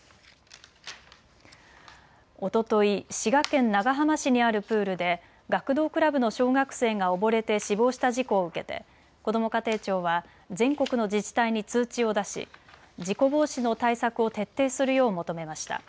おととい、滋賀県長浜市にあるプールで学童クラブの小学生が溺れて死亡した事故を受けてこども家庭庁は全国の自治体に通知を出し事故防止の対策を徹底するよう求めました。